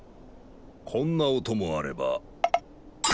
こんな音もあれば。